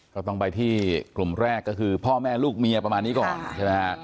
ก็ต้องไปที่กลุ่มแรกก็คือพ่อแม่ลูกเมียประมาณนี้ก่อนใช่ไหมฮะ